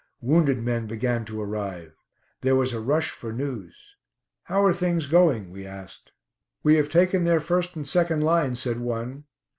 Wounded men began to arrive. There was a rush for news. "How are things going?" we asked. "We have taken their first and second line," said one.